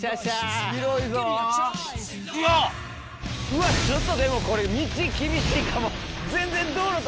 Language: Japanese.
うわちょっとでもこれ道厳しいかも。